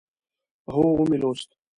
هو، ومی لوست